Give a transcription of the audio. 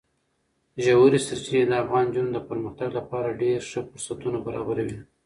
ژورې سرچینې د افغان نجونو د پرمختګ لپاره ډېر ښه فرصتونه برابروي.